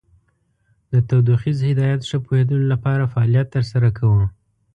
د تودوخیز هدایت ښه پوهیدلو لپاره فعالیت تر سره کوو.